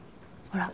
ほら。